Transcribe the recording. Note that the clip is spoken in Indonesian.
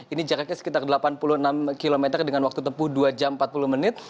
ini jaraknya sekitar delapan puluh enam km dengan waktu tempuh dua jam empat puluh menit